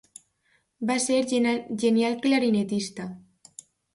Va ser genial clarinetista.